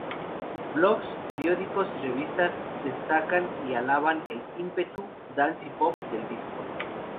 Blogs, periódicos y revistas destacan y alaban el ímpetu "dance y pop" del disco.